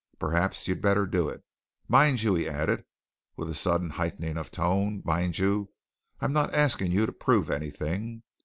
Perhaps you'd better do it. Mind you!" he added, with a sudden heightening of tone, "mind you, I'm not asking you to prove anything.